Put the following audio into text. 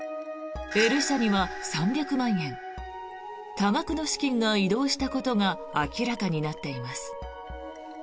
Ｌ社には３００万円多額の資金が移動したことが明らかになっています。